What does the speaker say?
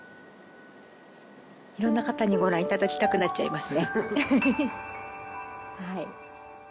いろんな方にご覧いただきたくなっちゃいますね